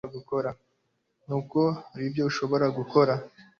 nuko haribyo ushobora gukora